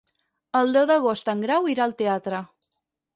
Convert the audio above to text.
El deu d'agost en Grau irà al teatre.